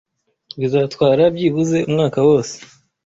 Bizatwara byibuze umwaka wose